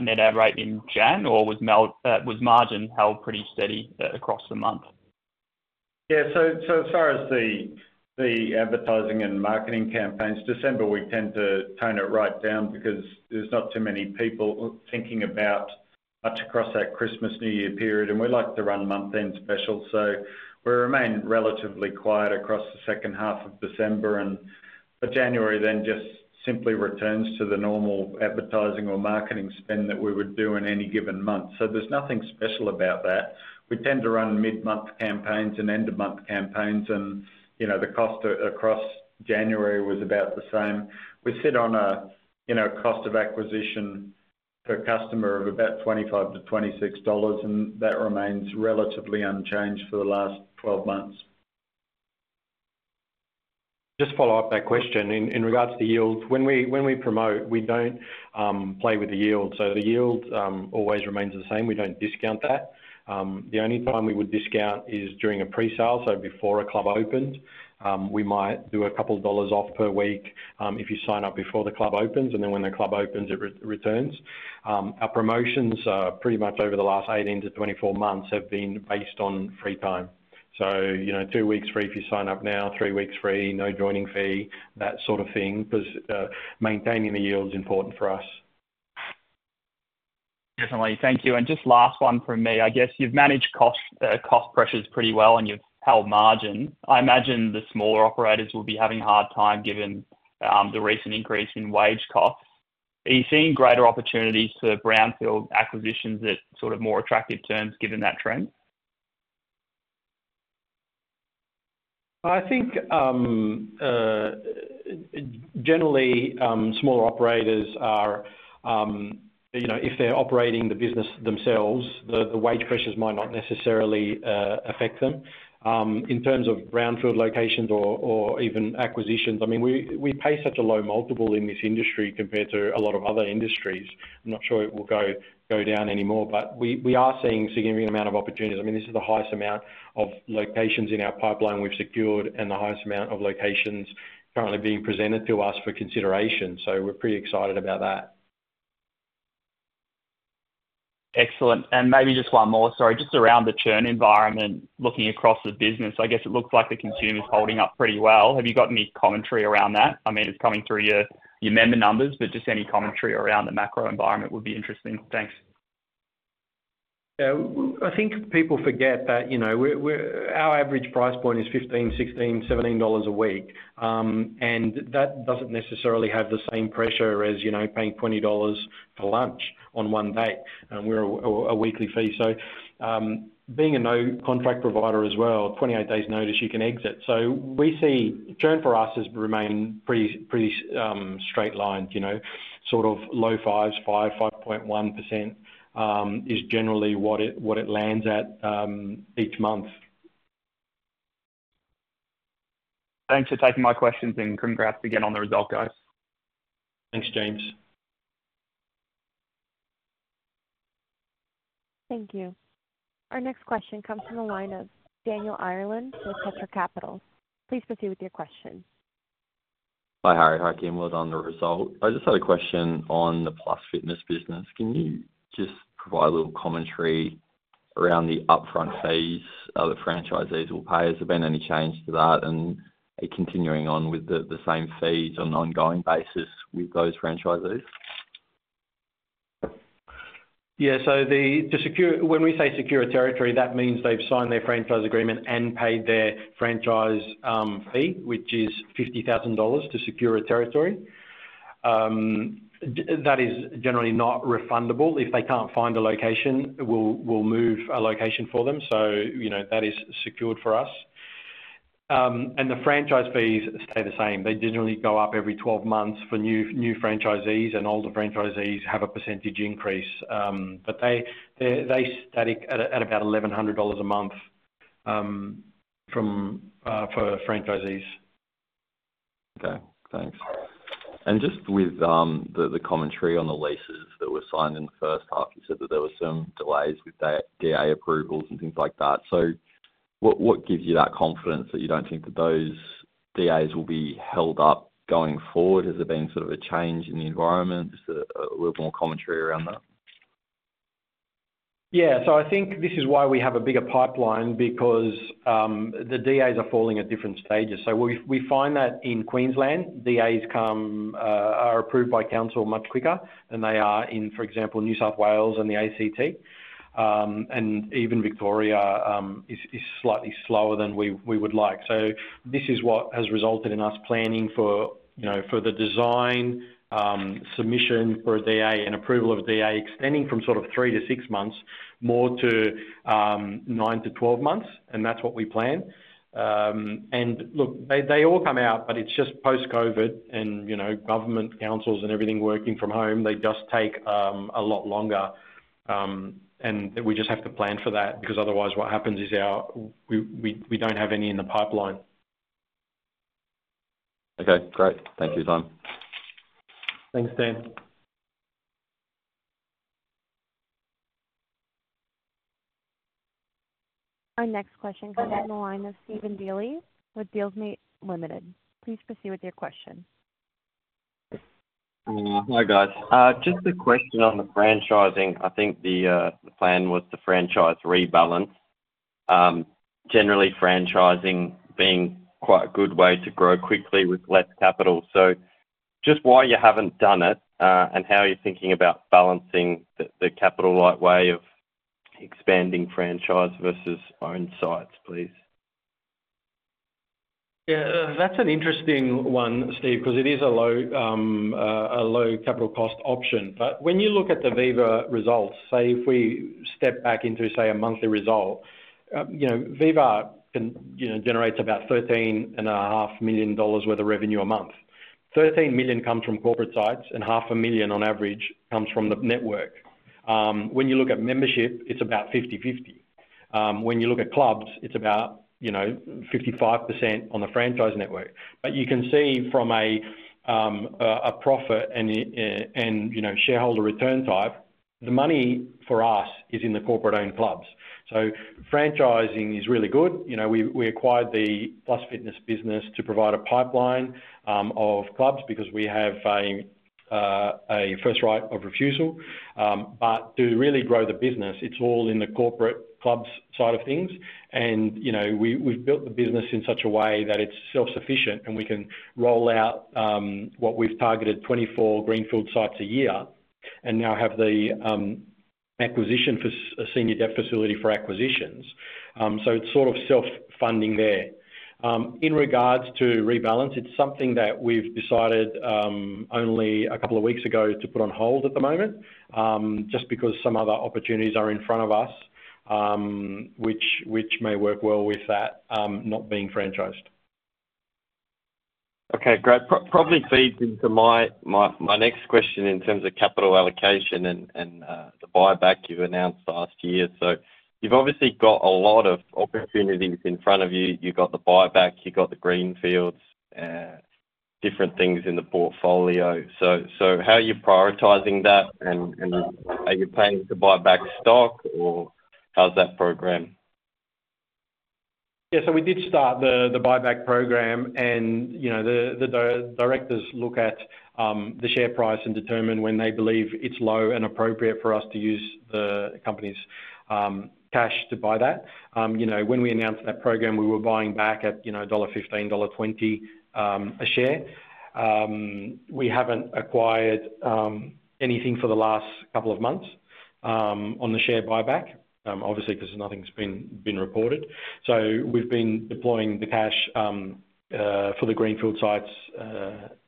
net add rate in Jan, or was margin held pretty steady across the month? Yeah. So as far as the advertising and marketing campaigns, December, we tend to tone it right down because there's not too many people thinking about much across that Christmas/New Year period. And we like to run month-end specials. So we remain relatively quiet across the second half of December. But January then just simply returns to the normal advertising or marketing spend that we would do in any given month. So there's nothing special about that. We tend to run mid-month campaigns and end-of-month campaigns, and the cost across January was about the same. We sit on a cost of acquisition per customer of about 25-26 dollars, and that remains relatively unchanged for the last 12 months. Just follow up that question. In regards to yields, when we promote, we don't play with the yield. So the yield always remains the same. We don't discount that. The only time we would discount is during a presale, so before a club opens. We might do a couple of dollars off per week if you sign up before the club opens, and then when the club opens, it returns. Our promotions pretty much over the last 18-24 months have been based on free time. So 2 weeks free if you sign up now, 3 weeks free, no joining fee, that sort of thing because maintaining the yield's important for us. Definitely. Thank you. Just last one from me. I guess you've managed cost pressures pretty well, and you've held margin. I imagine the smaller operators will be having a hard time given the recent increase in wage costs. Are you seeing greater opportunities for brownfield acquisitions at sort of more attractive terms given that trend? I think, generally, smaller operators, if they're operating the business themselves, the wage pressures might not necessarily affect them. In terms of brownfield locations or even acquisitions, I mean, we pay such a low multiple in this industry compared to a lot of other industries. I'm not sure it will go down anymore, but we are seeing a significant amount of opportunities. I mean, this is the highest amount of locations in our pipeline we've secured and the highest amount of locations currently being presented to us for consideration. So we're pretty excited about that. Excellent. And maybe just one more, sorry, just around the churn environment looking across the business. I guess it looks like the consumer's holding up pretty well. Have you got any commentary around that? I mean, it's coming through your member numbers, but just any commentary around the macro environment would be interesting. Thanks. Yeah. I think people forget that our average price point is 15, 16, 17 a week, and that doesn't necessarily have the same pressure as paying 20 dollars for lunch on one date. We're a weekly fee. Being a no-contract provider as well, 28 days' notice, you can exit. We see churn for us has remained pretty straight-line sort of low fives, 5, 5.1% is generally what it lands at each month. Thanks for taking my questions, and congrats again on the result, guys. Thanks, James. Thank you. Our next question comes from the line of Daniel Ireland with Petra Capital. Please proceed with your question. Hi, Harry. Hi, Kym. Well, I don't know the result. I just had a question on the Plus Fitness business. Can you just provide a little commentary around the upfront fees other franchisees will pay? Has there been any change to that? And continuing on with the same fees on an ongoing basis with those franchisees? Yeah. So when we say secure territory, that means they've signed their franchise agreement and paid their franchise fee, which is 50,000 dollars to secure a territory. That is generally not refundable. If they can't find a location, we'll move a location for them. So that is secured for us. And the franchise fees stay the same. They generally go up every 12 months for new franchisees, and older franchisees have a percentage increase. But they stay at about 1,100 dollars a month for franchisees. Okay. Thanks. And just with the commentary on the leases that were signed in the first half, you said that there were some delays with DA approvals and things like that. So what gives you that confidence that you don't think that those DAs will be held up going forward? Has there been sort of a change in the environment? Just a little more commentary around that. Yeah. So I think this is why we have a bigger pipeline because the DAs are falling at different stages. So we find that in Queensland, DAs are approved by council much quicker than they are in, for example, New South Wales and the ACT. And even Victoria is slightly slower than we would like. So this is what has resulted in us planning for the design submission for a DA and approval of a DA extending from sort of 3-6 months more to 9-12 months. And that's what we plan. And look, they all come out, but it's just post-COVID and government councils and everything working from home. They just take a lot longer. We just have to plan for that because otherwise, what happens is we don't have any in the pipeline. Okay. Great. Thank you, Tom. Thanks, Dan. Our next question comes from the line of [Steven Dealey] with [Ord Minnett Limited]. Please proceed with your question. Hi, guys. Just a question on the franchising. I think the plan was to franchise Rebalance. Generally, franchising being quite a good way to grow quickly with less capital. So just why you haven't done it and how you're thinking about balancing the capital lightweight of expanding franchise versus own sites, please. Yeah. That's an interesting one, Steve, because it is a low-capital cost option. But when you look at the Viva results, say if we step back into, say, a monthly result, Viva generates about 13.5 million dollars worth of revenue a month. 13 million comes from corporate sites, and 500,000 on average comes from the network. When you look at membership, it's about 50/50. When you look at clubs, it's about 55% on the franchise network. But you can see from a profit and shareholder return type, the money for us is in the corporate-owned clubs. So franchising is really good. We acquired the Plus Fitness business to provide a pipeline of clubs because we have a first right of refusal. But to really grow the business, it's all in the corporate clubs side of things. And we've built the business in such a way that it's self-sufficient, and we can roll out what we've targeted, 24 greenfield sites a year, and now have the acquisition for a senior debt facility for acquisitions. So it's sort of self-funding there. In regards to Rebalance, it's something that we've decided only a couple of weeks ago to put on hold at the moment just because some other opportunities are in front of us, which may work well with that not being franchised. Okay. Great. Probably feeds into my next question in terms of capital allocation and the buyback you announced last year. So you've obviously got a lot of opportunities in front of us. You've got the buyback. You've got the greenfields, different things in the portfolio. So how are you prioritizing that? And are you paying to buy back stock, or how's that programmed? Yeah. So we did start the buyback program, and the directors look at the share price and determine when they believe it's low and appropriate for us to use the company's cash to buy that. When we announced that program, we were buying back at 15 dollar, 20 a share. We haven't acquired anything for the last couple of months on the share buyback, obviously, because nothing's been reported. So we've been deploying the cash for the greenfield sites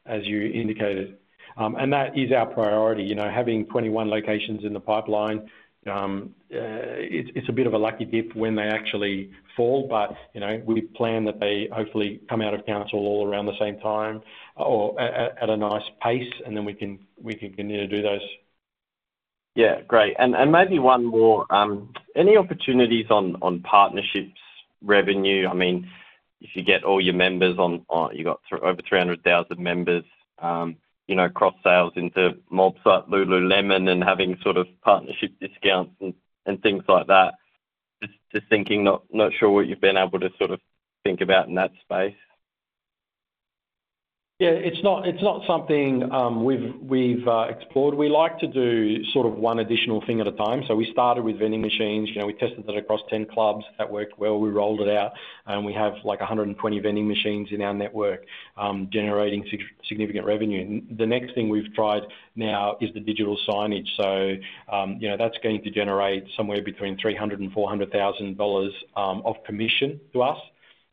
as you indicated. And that is our priority. Having 21 locations in the pipeline, it's a bit of a lucky dip when they actually fall. But we plan that they hopefully come out of council all around the same time or at a nice pace, and then we can continue to do those. Yeah. Great. And maybe one more. Any opportunities on partnerships revenue? I mean, if you get all your members on you've got over 300,000 members. Cross-sales into MyZone, Lululemon, and having sort of partnership discounts and things like that. Just thinking, not sure what you've been able to sort of think about in that space. Yeah. It's not something we've explored. We like to do sort of one additional thing at a time. So we started with vending machines. We tested it across 10 clubs. That worked well. We rolled it out. And we have like 120 vending machines in our network generating significant revenue. The next thing we've tried now is the digital signage. So that's going to generate somewhere between 300,000 and 400,000 dollars of commission to us.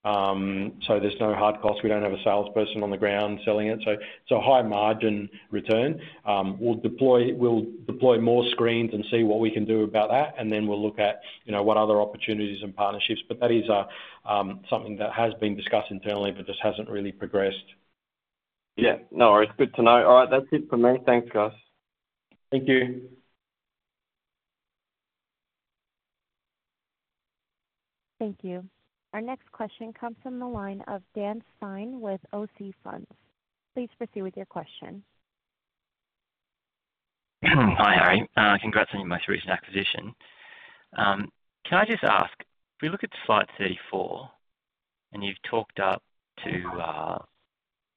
So there's no hard costs. We don't have a salesperson on the ground selling it. So it's a high-margin return. We'll deploy more screens and see what we can do about that, and then we'll look at what other opportunities and partnerships. But that is something that has been discussed internally but just hasn't really progressed. Yeah. No. It's good to know. All right. That's it for me. Thanks, guys. Thank you. Thank you. Our next question comes from the line of Dan Stein with OC Funds. Please proceed with your question. Hi, Harry. Congrats on your most recent acquisition. Can I just ask, if we look at slide 34, and you've talked up to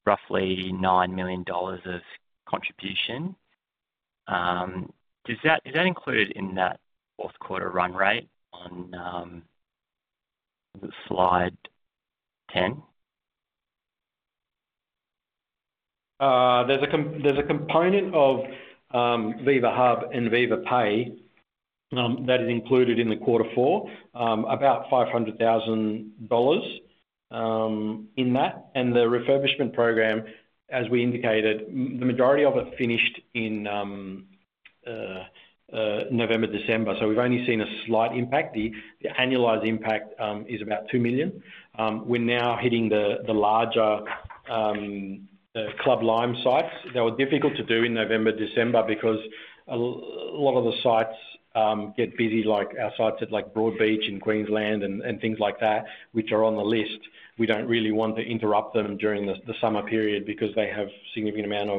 roughly AUD 9 million of contribution, is that included in that fourth-quarter run rate on slide 10? There's a component of Viva Hub and Viva Pay that is included in the quarter four, about 500,000 dollars in that. And the refurbishment program, as we indicated, the majority of it finished in November, December. So we've only seen a slight impact. The annualized impact is about 2 million. We're now hitting the larger Club Lime sites that were difficult to do in November, December because a lot of the sites get busy, like our sites at Broadbeach in Queensland and things like that, which are on the list. We don't really want to interrupt them during the summer period because they have a significant amount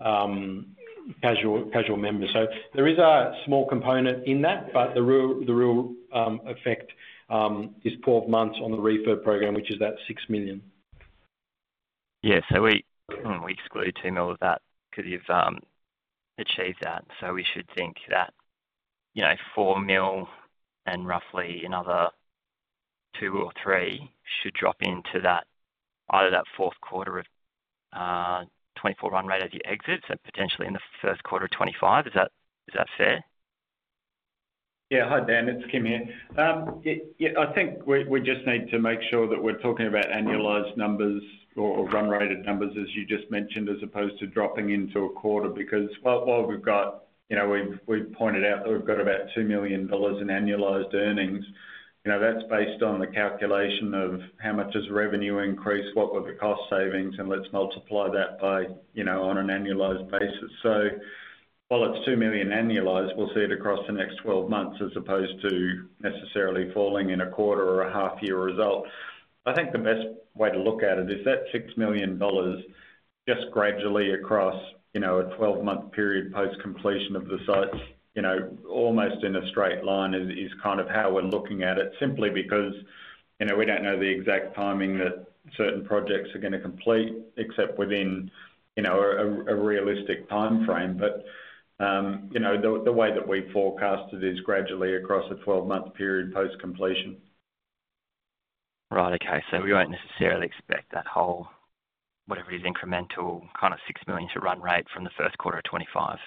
of casual members. So there is a small component in that, but the real effect is 12 months on the refurb program, which is that 6 million. Yeah. So we exclude 2 million of that because you've achieved that. So we should think that 4 million and roughly another 2 or 3 should drop into either that fourth quarter of 2024 run rate as you exit and potentially in the first quarter of 2025. Is that fair? Yeah. Hi, Dan. It's Kym here. I think we just need to make sure that we're talking about annualized numbers or run-rated numbers, as you just mentioned, as opposed to dropping into a quarter because while we've pointed out that we've got about 2 million dollars in annualized earnings. That's based on the calculation of how much has revenue increased, what were the cost savings, and let's multiply that on an annualized basis. So while it's 2 million annualized, we'll see it across the next 12 months as opposed to necessarily falling in a quarter or a half-year result. I think the best way to look at it is that 6 million dollars just gradually across a 12-month period post-completion of the sites, almost in a straight line, is kind of how we're looking at it simply because we don't know the exact timing that certain projects are going to complete except within a realistic timeframe. But the way that we forecast it is gradually across a 12-month period post-completion. Right. Okay. So we won't necessarily expect that whole whatever it is, incremental kind of 6 million to run rate from the first quarter of 2025?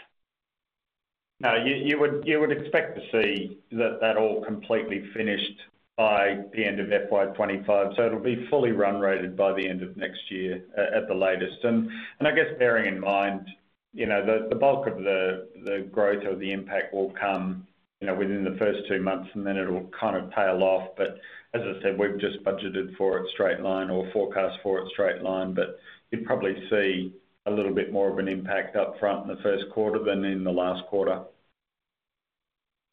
No. You would expect to see that that all completely finished by the end of FY2025. So it'll be fully run rated by the end of next year at the latest. And I guess bearing in mind the bulk of the growth or the impact will come within the first 2 months, and then it'll kind of tail off. But as I said, we've just budgeted for it straight line or forecast for it straight line. But you'd probably see a little bit more of an impact upfront in the first quarter than in the last quarter.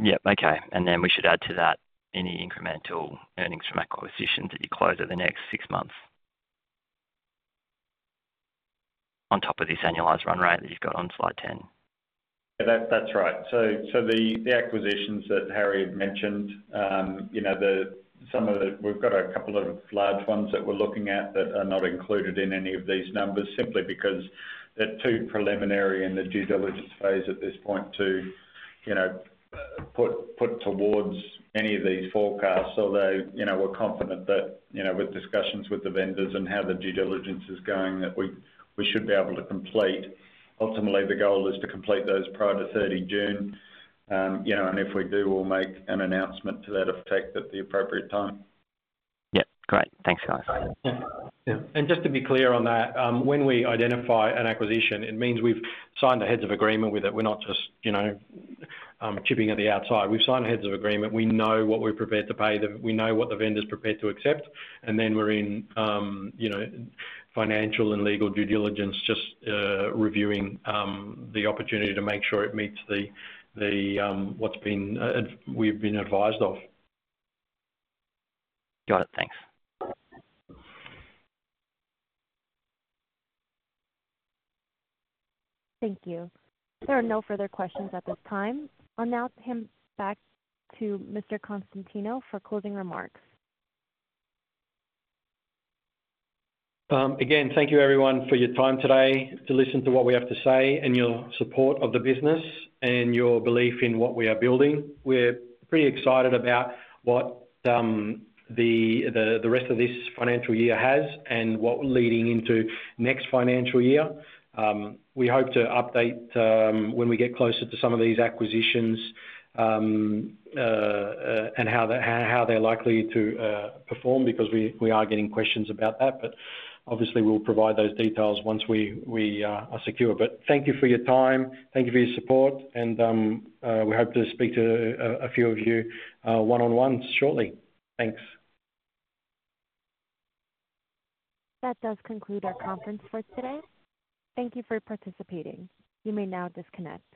Yep. Okay. And then we should add to that any incremental earnings from acquisitions at year close of the next six months on top of this annualized run rate that you've got on slide 10. Yeah. That's right. So the acquisitions that Harry had mentioned, some of the we've got a couple of large ones that we're looking at that are not included in any of these numbers simply because they're too preliminary in the due diligence phase at this point to put towards any of these forecasts. Although we're confident that with discussions with the vendors and how the due diligence is going, that we should be able to complete. Ultimately, the goal is to complete those prior to 30 June. And if we do, we'll make an announcement to that effect at the appropriate time. Yep. Great. Thanks, guys. Yeah. Just to be clear on that, when we identify an acquisition, it means we've signed a heads-of-agreement with it. We're not just chipping at the outside. We've signed a heads-of-agreement. We know what we're prepared to pay. We know what the vendor's prepared to accept. And then we're in financial and legal due diligence just reviewing the opportunity to make sure it meets what we've been advised of. Got it. Thanks. Thank you. There are no further questions at this time. I'll now hand back to Mr. Konstantinou for closing remarks. Again, thank you, everyone, for your time today to listen to what we have to say and your support of the business and your belief in what we are building. We're pretty excited about what the rest of this financial year has and what we're leading into next financial year. We hope to update when we get closer to some of these acquisitions and how they're likely to perform because we are getting questions about that. Obviously, we'll provide those details once we are secure. Thank you for your time. Thank you for your support. We hope to speak to a few of you one-on-one shortly. Thanks. That does conclude our conference for today. Thank you for participating. You may now disconnect.